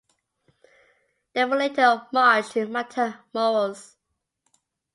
They were later marched to Matamoros.